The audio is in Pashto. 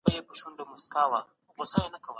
د عربي ژبي سیاست د ژوندانه له ټولو چارو سره اړیکه لري.